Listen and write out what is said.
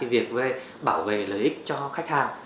việc bảo vệ lợi ích cho khách hàng